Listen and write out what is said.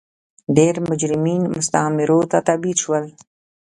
ډېری مجرمین مستعمرو ته تبعید شول.